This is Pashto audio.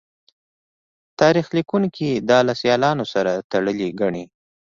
تاریخ لیکوونکي دا له سیالانو سره تړلې ګڼي